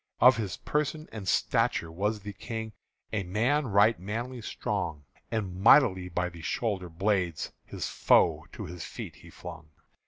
Of his person and stature was the King A man right manly strong, And mightily by the shoulderblades His foe to his feet he flung.